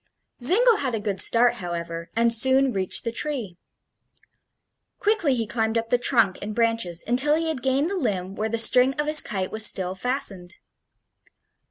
Zingle had a good start, however, and soon reached the tree. Quickly he climbed up the trunk and branches until he had gained the limb where the string of his kite was still fastened.